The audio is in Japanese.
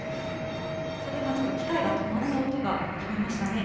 ちょうど今、機械が止まった音が聞こえましたね。